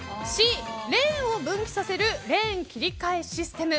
Ｃ、レーンを分岐させるレーン切り替えシステム。